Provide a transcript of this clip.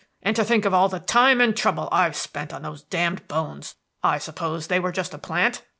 And to think of all the time and trouble I've spent on those damned bones! I suppose they were just a plant?"